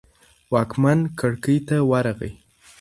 واکمن کړکۍ ته ورغی.